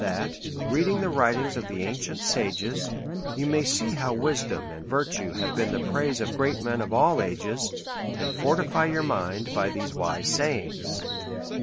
That reading the writings of the ancient sages, you may see how wisdom and virtue have been the praise of great men, of all ages, and fortify your mind by their wise sayings.